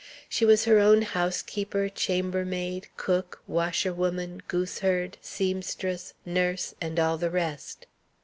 She was her own housekeeper, chambermaid, cook, washerwoman, gooseherd, seamstress, nurse, and all the rest.